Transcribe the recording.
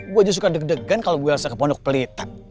gue aja suka deg degan kalau bu elsa ke pondok pelitak